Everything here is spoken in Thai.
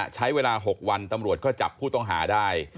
ใช้เวลา๖วันตำรวจก็จับผู้ต้องหาได้